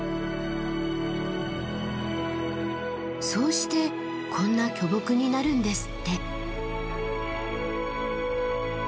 そうしてこんな巨木になるんですって。